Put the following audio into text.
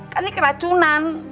kan ini keracunan